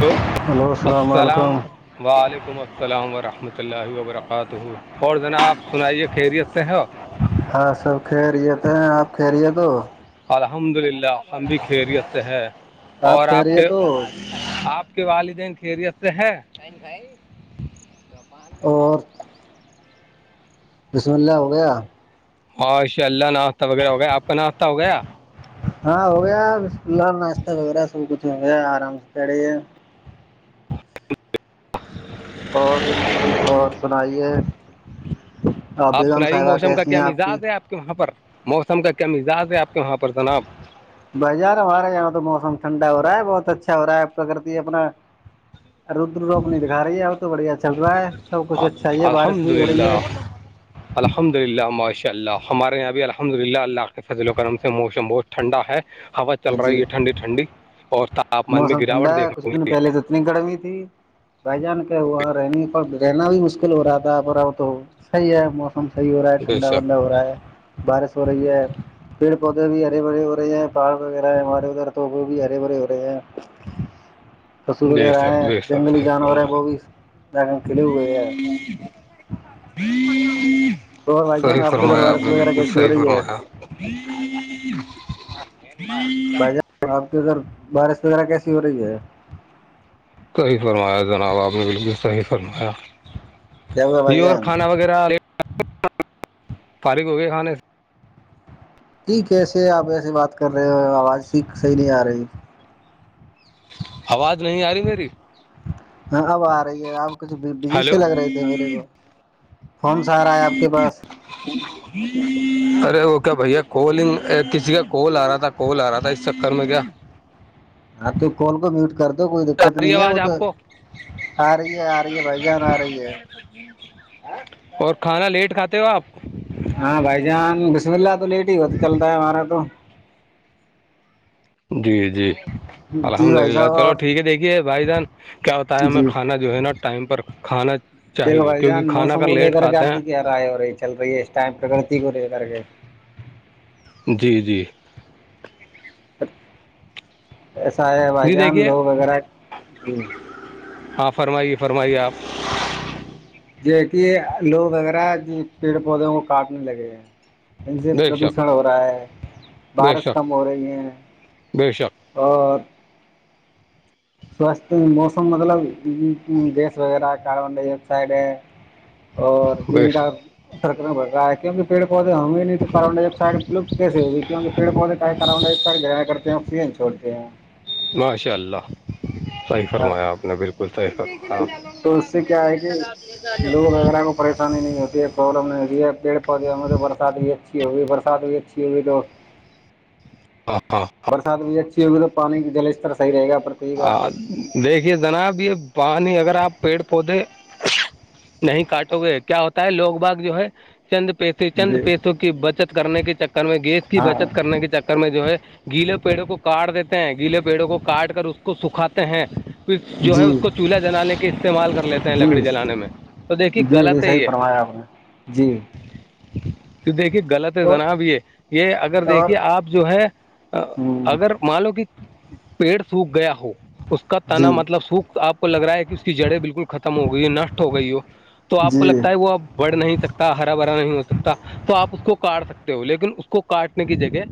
hello hello السلام علیکم علیکم السلام ورحمۃ اللہ و برکاتہ اور جناب سنائیے خیریت سے ہو ہاں سب خیریت ہے آپ خیریت ہو الحمد للہ ہم بھی خیریت سے ہے اور آپ کے خیریت ہو آپ کے والدین خیریت سے ہے اور بسم اللہ ہو گیا ماشاء اللہ ناشتہ وغیرہ ہو گیا آپ کا ناشتہ ہو گیا ہاں ہو گیا چلہ ناشتہ وغیرہ سب کچھ ہو گیا آرام سے پ رہے ہے اور اور سنائیے اور آپ بیگم سنائیے صاحبہ موسم کا کیسی کیا ہیں آپ کی مزاج ہے آپ وہاں پر موسم کا کم مزاج ہے آپ کے وہاں پر جناب بازار ہمارے یہاں تو موسم ٹھنڈا ہو رہا ہے بہت اچھا ہو رہا ہے پرکتی اپنا ردر رو اپنی دکھا رہی ہے اب تو بڑھیا چل رہا ہے سب کچھ اچھا ہی ہے بارش الحمد بھی ہو رہی للہ ہے الحمد للہ ماشاء اللہ ہمارے یہاں بھی الحمد للہ اللہ کے فضل و کرم سے موسم بہت ٹھنڈا ہے ہوا چل رہی جی ہے ٹھنڈی ٹھنڈی اور تاپمان میں موسم ٹھنڈا گراوٹ ہے دیکھنے کچھ کو دن پہلے تو اتنی گرمی تھی بھائی جان کیا ہوا رہنے پر رہنا بھی مشکل ہو رہا تھا پر اب تو صحیح ہے کم صحیح ہو رہا ہے ملی بے ٹھنڈا شک ونڈا ہو رہا ہے بارش ہو رہی ہے پیڑ پودے بھی ہرے بھرے ہو رہے ہیں پہاڑ وغیرہ ہمارے ادھر توو بھی ہے بھرے ہو رہے پشو بے وغیرہ ہے شک بے شک جنگلی صحیح جانور ہیں فرمایا وہ بھی لگن کلو ہو صحیح کے ادھر فرمایا آپ بارش نے وغیرہ بالکل کیسی ہو صحیح رہی ہے فرمایا ہ ہ [unintelligible] تو آپ کے ادھر بارش وغیرہ کیسی ہو رہی ہے صحیح فرمایا جناب آپ نے بالکل صحیح فرمایا کیا ہوا بھائی یہ اور جان کھانا وغیرہ فارغ ہو گئے کھانے سے ٹھیک کیسے آپ ایسے بات کر رہے ہو آواز سھیک صحیح نہیں آ رہی آواز نہیں آ رہی میری ہاں اب آ رہی ہے اپ کچھ بجی سے ہلو لگ رہے تھے میرے کو فون س آارا ہے آپ کے پاس [unintelligible] ارے وہ کیا بھیا کالنگ کسی کا کال آ رہا تھا کال آ رہا تھا اس چکر میں کیا [unintelligible] آپ کے کال کو میوٹ کر د تو کوئی آ دقت رہی نہیں ہے آواز وہ تو آپ کو آ رہی ہے آ رہی ہے بھائی جان آ رہی ہے اور کھانا لیٹ کھاتے ہو آپ ہاں بھائی جان بسم اللہ تو لیٹ ہی ہو تو چلتا ہے ہمارا تو جی جی جی الحمد بھائی للہ صاحب چلو اور ٹھیک ہے دیکھیے بھائی جان کیا بتایا ہمیں جی کھانا جو ہے نا ٹائم پر کھانا دلو چاہیے بھائی کیونکہ جان کھانا موسم اگر کو لے لیٹ کر کے کھاتے آپ کی ہیں کیاہ رائے ہو رہی ہے چل رہی ہے اس ٹائم پرکتی کو لے کر کے جی جی ایسا ہے بھائی جی جان دیکھیے لوگ وغیرہ جی ہاں فرمائیے فرمائیے آپ یہ کہ لوگ وغیرہ پیڑ پودے کو کاٹنے لگے ہیں ان سے بے شک پردوشن ہو رہا ہے بے بارش شک کم ہو رہی ہے بے شک اور سواستھ موسم مطلب گیس وغیرہ کاربن ڈائیکسائڈ ہے [unintelligible] اور بے جن کا شک سکرم بھر رہا ہے کی [unintelligible] پیڑ پودے ہوں گے نہیں تو کرنڈا ایک سائڈ لپ کیسے کیکہ پڑ پودے کر ایک سائڈ گایا کرتے ہیںو ا [unintelligible] ماشاء اللہ صحیح ہاں [unintelligible] ہاں فرمایا آپ نے بالکل صحیح فرمایا تو اس سے کیا ہے کہ لوگ وغیرہ کو پریشانی نہیں ہوتی ہے پرابلم نہیں ہوتی ہے پیڑ پودے میں تو برسات بھی اچھی ہوگئی برسات بھیئی اچھی ہوئی تو ا ہ [unintelligible] برسات بھی اچھی ہوگی تو پانی جل اس طرحیحے گا [unintelligible] ہ دیکھیے جناب یہ پانی اگر آپ پیڑ پودے نہیں کاٹو گے کیا ہوتا ہے لوگ باغ جو ہے چند پیس سے چند جی پیسوں کی بچت کرنے کے چکر میں گیس کی ہاں بچت کرنے کے چکر میں جو ہے گیلے پیڑوں کو کاٹ دیتے ہیں گیلے پیڑوں کو کاٹ کر اس کو سکھاتے ہیں پ جو ہے جی اس کو چولہا جلانے کے استعمال کر لیتے ہیں لکڑی جی جلانے میں تو دیکھیے جی جی غلط ہے صحیح یہ فرمایا آپ نے جی تو دیکھیے غلط ہے اور جناب یہ یہ اگر اور دیکھیے آپ جو ہے اگر جی مان لو کہ پیڑ سوکھ گیا ہو اس اس کا تنا مطلب سوکھ آپ کو لگ رہا ہے کہ اس کی جڑیں بالکل ختم ہو گئی ہے نٹ ہو گئی ہو تو آپ کو جی لگتا ہے وہ اب بڑھ نہیں سکتا ہرا بھرا نہیں ہو سکتا تو آپ اس کو کاٹ سکتے ہو لیکن اس کو کاٹنے کی جگہ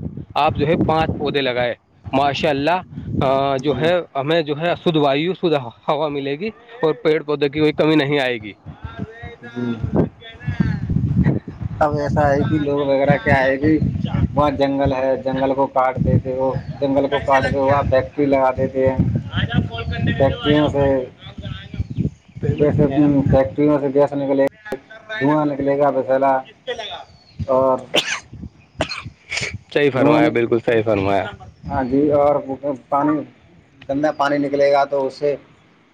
آپ جو ہے پانچ پودے لگائے ماشاء اللہ جو جی ہے ہمیں جو ہے شھ وایو شھ ہوا ملے گی اور پیڑ پودے کی کوئی کمی نہیں آئے گی [unintelligible] جی [unintelligible] اب ایسا آئے کہ لوگ وغیرہ کیا آئے گی وہاں جنگل ہے جنگل کو کاٹ دیتے وہ جنگل کو کاٹ کے وہاں فری لگا دیتے ہیں فیکٹریوں سے بس پیمنٹ نہیں آیا فیکٹری میں سے بس نکلے گی دھواں نکلے گا بسلا اور صحی دھواں فرمایا بالکل صحی فرمایا ہاں جی اور پانی گندہ پانی نکلے گا تو اس سے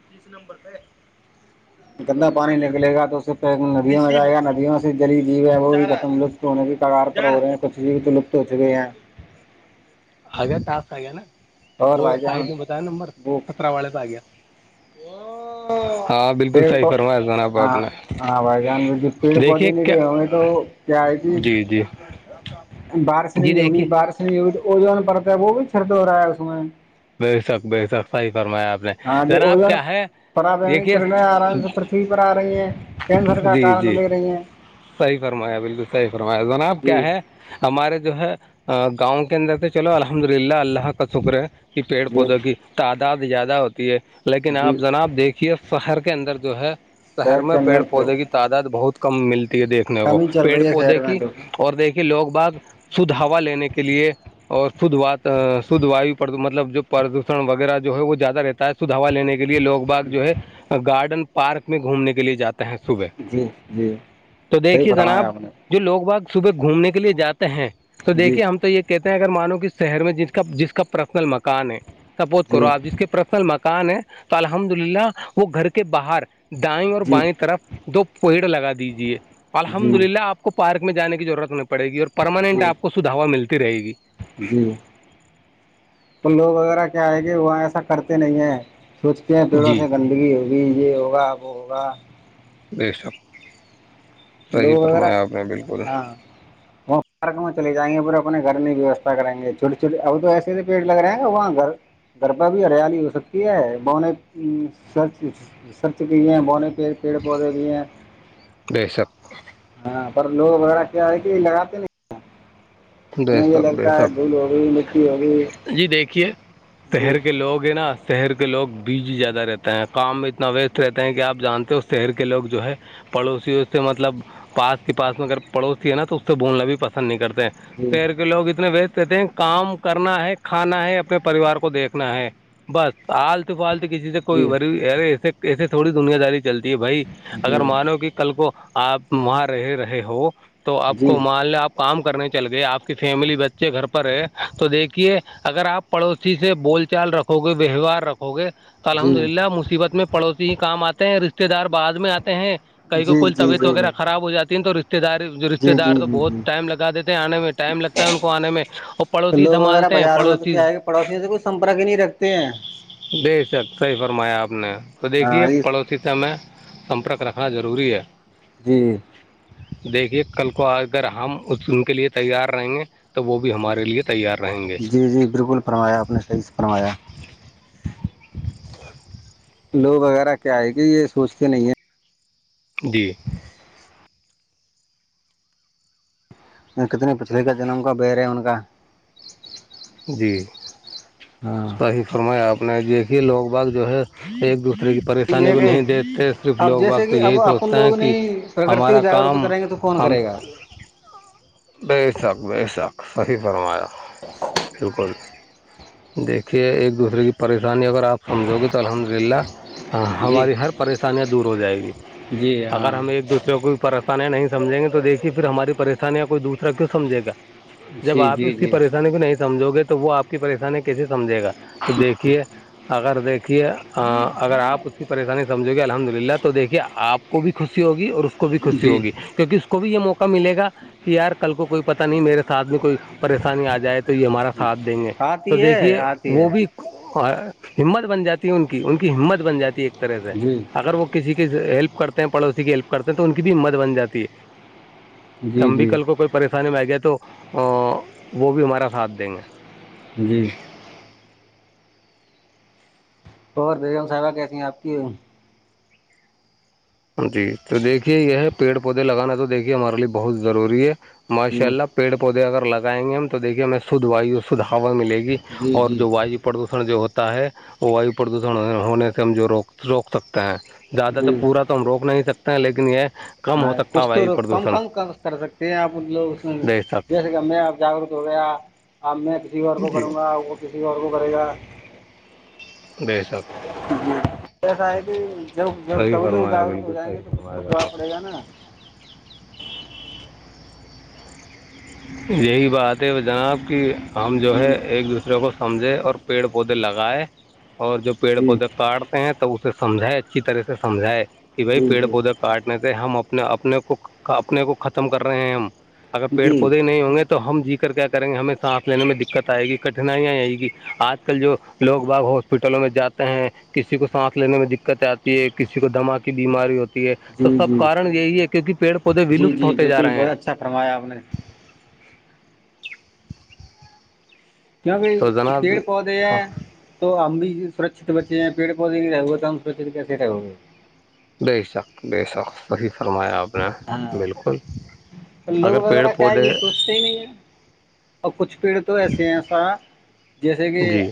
تیس نمبر پہ [unintelligible] گندا پانی نکلے گا تو اس سے پ ندیوں میں جائے گا ندیوں سے جلی جیو ہے وہ بھی ختم لط سونے کے کگار پر ہو رہے ہیں کچی بھی تو لپت ہو چکے ہیں آ گیا ٹاس آ گیا نا اور وہ بھائی سائڈ جان نے بتایا نمبر خترہ والے پہ آ گیا [unintelligible] ہاں [inaudible] پ بالکل صحیح پ فرمایا جناب آپ ہاں نے ہاں بھائی جان ب پیڑ پودے دیکھیے نہیں کیا رہے ہمیں تو کیا ہے کہ جی جی بارش جی نہیں ہوگی دیکھیے بارش نہیں ہوگی تو وہ جو پڑتا ہے وہ بھی چرد ہو رہا ہے اس میں بے شک بے شک صح فرمایاپ ہاں جو ا ج پرا دیکھیے کرنے آ رہا ہے پرتھوی پر آ رہی ہیں کینسر کا جی کارن جی لے رہی ہیں صحیح فرمایا بالکل صحیح فرمایا جناب جی کیا ہے ہمارے جو ہے گاؤں کے اندر تو چلو الحمد للہ اللہ کا شکر ہے پیڑ جی پودوں کی تعداد زیادہ ہوتی ہے لیکن آپ جی جناب دیکھیے فہر کے اندر جو ہے سر شہر میں کے پیڑ مر تو پودے [unintelligible] کی تعداد بہت کم ملتی ہے دیکھنے کو کمی چل پیڑ رہی ہے پودے شہر میں کی تو اور دیکھیے لوگ باغ سدھ ہا لینے کے لیے اور شدھ و شدھ واو پر مطلب جو پردوشن وغیرہ جو ہے وہ زیادہ رہتا ہے سدوا لینے کے لیے لوگ باغ جو ہے گارڈن پارک میں گھومنے کے لیے جاتا ہیں صبح جی جی تو صحیح دیکھیے جناب فرمایا آپ نے جو لوگ باگ صبح گھومنے کے لیے جاتے ہیں تو جی دیکھیے ہم تو یہ کہتے ہیں اگر مانو کہ شہر میں جس کا جس کا پرسنل مکان ہے سپوز کرو جی آپ جس کے پ پرسنل مکان ہے تو الحمد للہ وہ گھر کے باہر دائیں اور جی بائیں تو طرف دو پوہڑ لگا دیجے الحمد جی للہ آپ کو پارک میں جے کی ضرورت نہیں پڑ پڑ گی اور پرماننٹ جی آ کو سدھ ہوا ملتی رہے گی جی تو لوگ وغیرہ کیا آئے گے وہاں ایسا کرتے نہیں ہیں سوچتے ہیں پیڑوں جی سے گندگی ہوگی یہ ہوگا وہ ہوگا بے شک صحیح لوگ وغیرہ فرمایا آپ نے بالکل [inaudible] وہاں پارک میں چلےائیںے پورے اپنے گھر میں ویوستھا کریں گے چھوٹی چھوٹے اب تو ایسے پیڑ لگ رہے ہیں گا وہاں گھر گر پر بھی ہریالی ہو سکتی ہے بونرچ رسرچ بھی ہیں بوہنے پڑ پیڑ پودے بھی ہیں بےشک ہاں پر لوگ وغیرہ کیا ہے کہ لگاتے نہیں بے شک بے ہے شک دھول ہوگی مٹی ہوگی جی دیکھیے جی شہر کے لوگ ہیں نا شہر کے لوگ بیج زیادہ رہتے ہیں کام اتنا ویسٹ رہتے ہیں کہ آپ جانتے ہو شہر کے لوگ جو ہے پڑوسی اس سے مطلب پاس کے پاس میں اگر پڑوسی ہے نا تو اس سے بولنا بھی پسند نہیں کرتے جی پیر کے لوگ اتنے وچ رہتے ہیں کام کرنا ہے کھانا ہے اپنے پریوار کو دیکھنا ہے بس آلتو پالت کسی سے جی کوئیے ایے ایسے تھوڑی دنیا داری چلتی ہے بھائی جی اگر مانو کہ کل کو آپ وہاں رہے رہے ہو تو آپ جی جی کو مان ل آپ کام کرنے چل گئے آپ کی فیملی بچے گھر پر ہے تو دیکھیے اگر آپ پڑوسی سے بول چال رکھو گے ویوہار رکھو ہو گئے تو الحمد جی للہ مصیبت میں پڑوسی ہی کام آتے ہیں رشتے دار بعد میں آتے ہیں کائی کو جی جی کل توی تو اگر جی خراب ہو جاتی ہیں تو رشتہ دار اقتدار جی تو جی بہت جی ٹائم لگا دیتے ہیں انے میں ٹائم لگتا ہے ان کو آنے میں اور تو پڑوسی لوگ وغیرہ سنبھالتے ہیں بازاروں میں تو پڑوسی کیا ہے کہ پڑوسیوں سے کوئی سمپرک ہی نہیں رکھتے ہیں بے شک صحی فرمایا آپ نے تو دیکھیے ہاں پڑوسی است میں سمپرک رکھنا ضروری ہے جی دیکھیے کل کو اگر ہم ان کے لیے تیار رہیں گے تو وہ بھی ہمارے لیے تیار رہیں گے جی جی بالکل فرمایا آپ نے صحیح فرمایا لوگ وغیرہ کیا ہے کہ یہ سوچتے نہیں ہیں جی کتنی پچھلی کا جنم کا بیر ہے ان کا جی ہاں صحیح فرمایا آپ نے دیکھی لوگ باگ جو ہے ایک دو اس طرح کی پریشانی یہ کو کہ نہیں دییکھتے صرف اب لوگ جیسے وقت کہ یہی اب اپن سوچتے ہیں کہ ہمارا کام فون ہم کرے گا بے شک بے شک صحیح فرمایا بالکل دیکھیے ایک دوسرے کی پریشانی اگر آپ سمجھو گے تو الحمد للہ جی ہماری ہر پریشانیاں دور ہو جائیں گی جی اگر ہاں ہم ایک دوسرے کو بھی پر نہیں سجھیں گے تو دیکھیے پھر ہماری پریشانیاں کوئی دوسرا کیوں سمجھےگا جب جی آپ جی اس کی جی پریشانی کو نہیں سمجھو گے تو وہ آپ کی پریشانی کیسے سمجھے گا تو دیکھیے اگر دیکھیے اگر آپ اس کی پریشانی سمجھو گے الحمد للہ تو دیکھیے آپ کو بھی خوشی ہوگی اور اس کو بھی خوشی جی ہوگی کیونکہ اس کو بھی یہ موقع ملے گا کہ یار کل کو کوئی پتا نہیں میرے ساتھ میں کوئی پریشانی آ جائے تو تو یہ ہمارا ساتھ دیں گے تو آتی ہے دیکھیے آتی وہ ہے بھی اور ہمت بن جاتی ان کی ان کی ہمت بن جاتی ایک طرح سے جی اگر وہ کسی کی ہیلپ کرتے ہیں پڑوسی کی ہیلپ کرتے ہیں تو ان کی بھی ہمت بناتی ہے جی ہم بھی جی کل کو کوئی پریشانی میں آ گیا تو وہ بھی ہمارا ساتھ دیں گے جی اور بیگم صاحبہ کیسی ہیں آپ کی جی تو دیکھیے یہ ہے پیڑ پودے لگانا تو دیکھیے ہمارے لیے بہت ضروری ہے ماشاء جی اللہ پیڑ پودے اگر لگائیں گے ہم تو دیکھیے ہمیں سدھ وایو سدھ ہوا ملے گی جی اور جی جو وایو پردوشن جو ہوتا ہے وہ وایو پردوشن ہونے سے ہم جو روک روک سکتے ہیں زیادہ جی تو پورا تو ہم روک نہیں سکتے ہیں لیکن یہ کم ہو ہاں سکتا کچھ ہے تو وایو کم پردوشن کم کر سکتے ہیں آپ لوگ بے شک میں اب جاگرک ہو گیا اب میں کسی اور کو جی کروں گا وہ کسی اور کو کرے گا بے شک ایسا ہے کہ جب جب صحیح سبھی لوگ فرمایا جاگروک ہو بالکل جائیں گے تو صحیح کچھ فرمایا تو پربھؤ جناب پڑے گا نا یہی بات ہے وہ جناب کہ ہم جو ہے جی ایک دوسرے کو سمجھیںے اور پیڑ پودے لگائے اور جو پیڑ جی پودے کاٹ ہیں تو اسے سمھائے اچھی طرح سے سمجھائے کہ بھائی جی پیڑ جی پودے کاٹنے سے ہم اپنے اپنے کو اپنے کو ختم کر رہے ہیں ہم اگر پیڑ جی پودے نہیں ہوں گے تو تو ہم جی کر کیا کریں گے ہمیں سانس لینے میں دقت آئے گی کٹھنائیا آئے گی آج کل جو لوگ باغ ہو ہاسپٹلوں میں جاتے ہیں کسی کو سانس لینے میں دقت آتی ہے کسی کو دھما کی بیماری ہوتی ہے تو جی سب جی کن یہی ہے کیونکہ پیڑ پودے جی ولپت جی ہوتے جا بالکل رہے ہیں بہت اچھا فرمایا اپ نے تو جناب پیڑ پودے ہاں ہیں تو ہم بھی سرکھشت بچے ہیں پیڑ پودے بھی رہ گے تو ہم سرکھشت کیسے رہو گے بے شک بے شک صحیح فرمایا آپ ہاں بالکل اگر لوگ پیڑ وغیرہ کیا پودے یہ سوچتے ہی نہیں ہے اور کچھ پیڑ تو ایسے ہیں ایسا جیسے کہ جی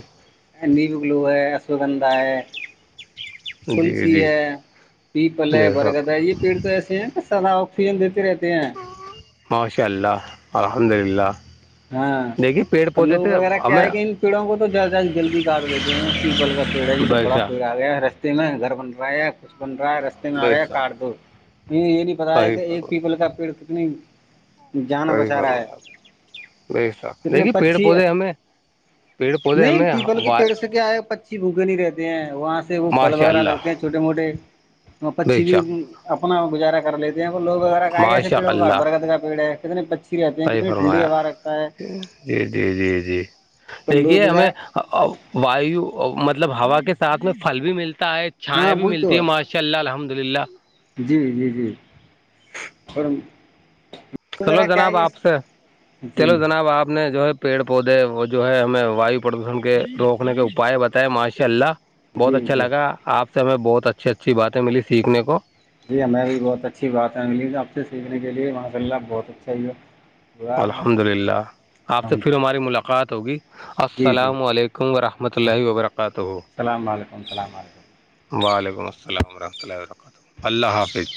نیو گلو ہے اشوگندھا ہے جی تلسی جی ہے پیپل ہے بے برگد شک ہے یہ پیڑ تو ایسے ہیں ب زدہ آکسیجن دیتے رہتے ہیں ماشاء اللہ الحمد للہ دیکھیے پیڑ ہاں پودے لوگ تھے وغیرہ کیا ہمیں ہے کہ ان پیڑوں کو تو جد جلدی کاٹ دیتے ہیں پیپل کا پیڑ ہے جی تو بے بڑا شک پیڑ آ گیا ہے رستے میں گھر بن رہا ہے کچھ بن رہا ہے رستے میں آ بے گیا شک کارڈ دو م یہ نہیں پتا ہے صحیح کہ ایک فرما پیپل کا پیڑ کتنی جان صحی بچا رہا ہے فرمایا اچھا کتنے دیکھیے پیڑ پچھی ہے پودے ہمیں پیڑ پودے نہیں ہمیں پیپل و کے پیڑ سے کیا آئے پچ [unintelligible] پچھی بھوکے نہیں رہتے ہیں وہاں سے وہ پھل ماشاء وغیرہ اللہ لگتے ہیں چھوٹے موٹے وہ بے پچھی بھی شک اپنا گزارا کر لیتے یہ کووگ وغیرہ کہئے گ ایسے ماشاء پڑ کو اللہ برد کا پڑ ہے کتنے بچی رہتے ہیں صحیح کتنی ٹنڈی فرمایا ہےوارت جی جی جی جی تو لوگ دیکھیے ہمیں وغیرہ وایو مطلب ہوا کے ساتھ میں پھل بھی ملتا ہے چھائیاں ہاں بھی وہی ملتی تو ہے ماشاء اللہ الحمد للہ جی جی جی اور چلو وغیرہ کیا ہے جناب آپ یہ سے جی چلو جناب آپ نے جو ہے پیڑ پودے وہ جو ہے ہمیں وایو پردوشن کے روکنے کے اپائے بتائے ماشاء اللہ بہت جی اچھا جی لگا آپ سے ہمیں بہت اچھی اچھی باتیں ملی سیکھنے کو جی ہمیں بھی بہت اچھی بات ہے ملی آپ سے سیکھنے کے لیے ماشا اللہ بہت اچھا ہی ہے الحمد للہ آپ سے پھر للہ ہماری ملاقات ہوگی جی جی السلام علیکم ورحمۃ اللہ وبرکاتہ وعلیکم السلام رحمۃہ وعلیکم السلام ورحمۃ اللہ و ببرکاتہ اللہ حافظ